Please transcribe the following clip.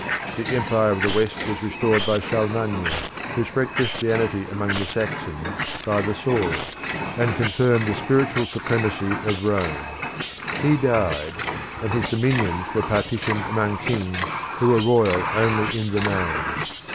The Empire of the West was restored by Charlemagne, who spread Christianity among the Saxons by the sword, and confirmed the spiritual supremacy of Rome. He died, and his dominions were partitioned among kings who were royal only in the name.